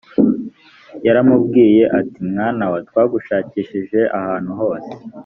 yaramubwiye ati mwana wa twagushakishije ahantu hose